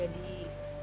maafin lu ya bang